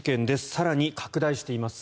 更に拡大しています。